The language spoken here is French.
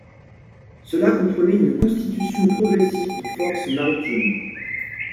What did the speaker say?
Cela comprenait une constitution progressive de forces maritimes.